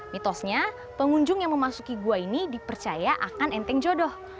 mitosnya pengunjung yang memasuki gua ini dipercaya akan enteng jodoh